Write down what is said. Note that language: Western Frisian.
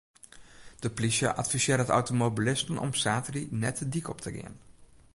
De plysje advisearret automobilisten om saterdei net de dyk op te gean.